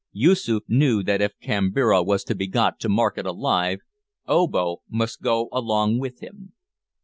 Yoosoof knew that if Kambira was to be got to market alive, Obo must go along with him.